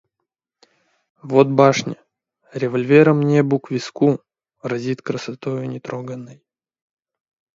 Вот башня, револьвером небу к виску, разит красотою нетроганой.